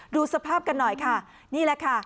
ดูสภาพกันหน่อยค่ะนี่แหละค่ะ